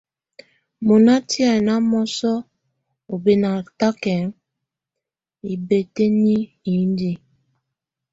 Mɔ́ná tɛ̀á ná mɔsɔ ú bɛ́natakɛ hibǝ́tǝ́ni indiǝ.